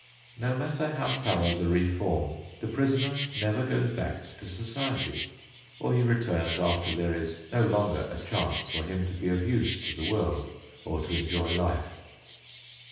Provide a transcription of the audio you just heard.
No matter how thorough the reform, the prisoner never goes back to society, or he returns after there is no longer a chance for him to be of use to the world or to enjoy life.